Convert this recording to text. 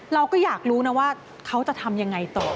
เราก็อยากรู้นะว่าเขาจะทำยังไงต่อ